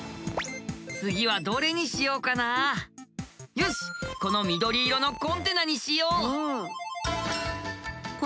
次はどれにしようかなよしこの緑色のコンテナにしよう！